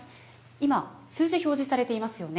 今、数字、表示されていますよね。